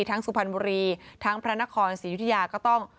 สุพรรณบุรีทั้งพระนครศรียุธยาก็ต้อง